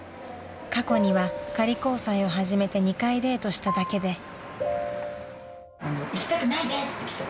［過去には仮交際を始めて２回デートしただけで］